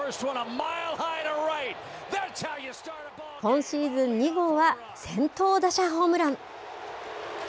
今シーズン２号は、先頭打者ホームラン。